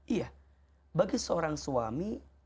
iya bagi seorang suami